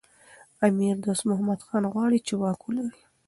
امیر دوست محمد خان غواړي چي واک ولري.